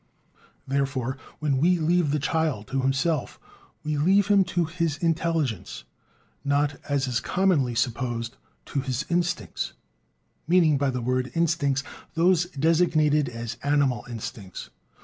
Therefore, when we leave the child to himself, we leave him to his intelligence, not, as is commonly supposed, "to his instincts," meaning by the word "instincts" those designated as animal instincts.